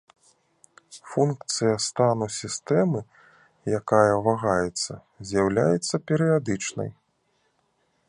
Функцыя стану сістэмы, якая вагаецца, з'яўляецца перыядычнай.